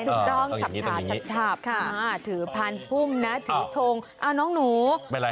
อย่างโงงอย่างนี้เอ๊าใช่ถึงถือพันภุ่มนะถืออะน้องหนูไม่อะไรครับ